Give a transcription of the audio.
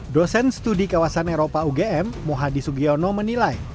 dosen studi kawasan eropa ugm muhadi sugiono menilai